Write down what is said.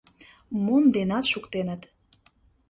Монденат шуктеныт.